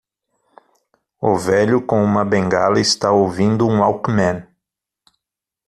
O velho com uma bengala está ouvindo um walkman.